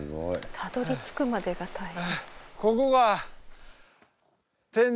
たどりつくまでが大変。